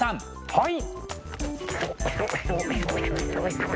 はい！